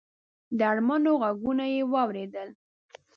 د اړمنو غږونه یې واورېدل.